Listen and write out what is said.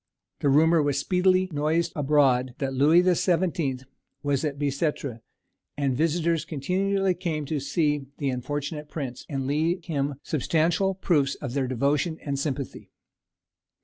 The rumour was speedily noised abroad that "Louis the Seventeenth" was at Bicêtre, and visitors continually came to see "the unfortunate prince," and leave him substantial proofs of their devotion and sympathy.